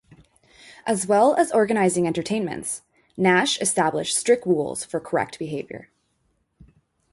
As well as organizing entertainments, Nash established strict rules for correct behaviour.